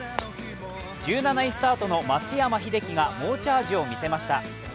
１７位スタートの松山英樹が猛チャージを見せました。